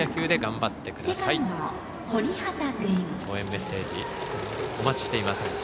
応援メッセージお待ちしています。